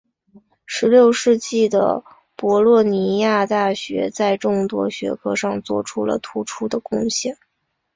十六世纪的博洛尼亚大学在众多学科上做出了突出的贡献。